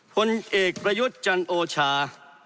คนเอกประยุจจันโอชา